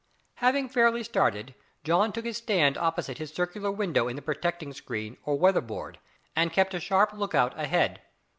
Having fairly started, John took his stand opposite his circular window in the protecting screen or weather board and kept a sharp look out ahead.